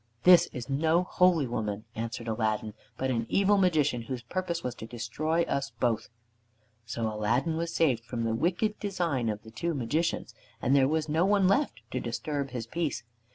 "This is no holy woman," answered Aladdin, "but an evil Magician whose purpose was to destroy us both." So Aladdin was saved from the wicked design of the two Magicians, and there was no one left to disturb his peace.